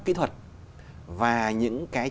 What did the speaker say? kỹ thuật và những cái